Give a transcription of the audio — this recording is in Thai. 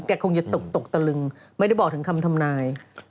คงจะตกตกตะลึงไม่ได้บอกถึงคำทำนาย